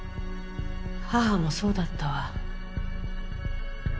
母もそうだったわ。